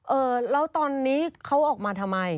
เออแล้วตอนนี้เขาออกมาทำไม